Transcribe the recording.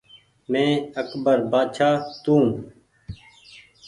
مينٚ اڪبر بآڇآ تونٚ